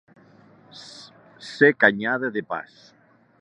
Ser canyada de pas.